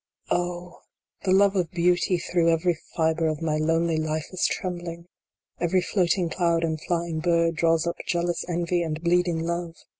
Oh ! the love of Beauty through every fibre of my lonely life is trembling ! Every floating cloud and flying bird draws up jealous Envy and bleeding Love